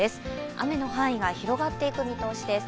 雨の範囲が広がっていく見通しです。